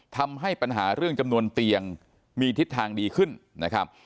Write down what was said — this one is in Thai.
ทำให้ปัญหาเรื่องจำนวนเตียงมีทิศทางดีขึ้นนะครับ